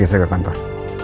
oke saya akan kan pak